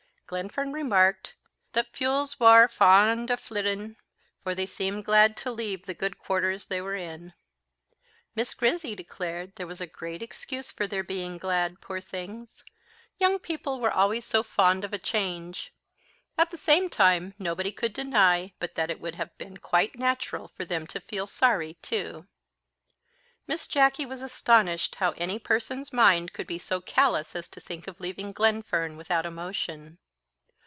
Glenfern remarked "that fules war fond o' flitting, for they seemed glad to leave the good quarters they were in." Miss Grizzy declared there was a great excuse for their being glad, poor things! young people were always so fond of a change; at the same time, nobody could deny but that it would have been quite natural for them to feel sorry too. Miss Jacky was astonished how any person's mind could be so callous as to think of leaving Glenfern without emotion.